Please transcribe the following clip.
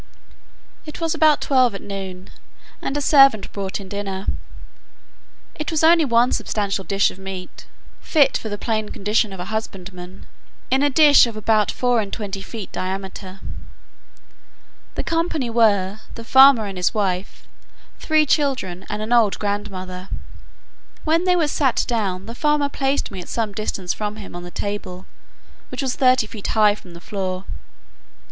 It was about twelve at noon, and a servant brought in dinner. It was only one substantial dish of meat (fit for the plain condition of a husbandman,) in a dish of about four and twenty feet diameter. The company were, the farmer and his wife, three children, and an old grandmother. When they were sat down, the farmer placed me at some distance from him on the table, which was thirty feet high from the floor.